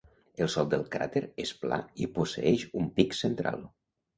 El sòl del cràter és pla i posseeix un pic central.